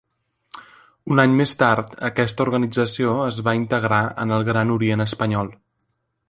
Un any més tard aquesta organització es va integrar en el Gran Orient Espanyol.